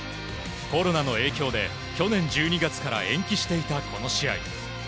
コロナの影響で去年１２月から延期していたこの試合。